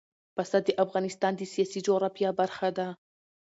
پسه د افغانستان د سیاسي جغرافیه برخه ده.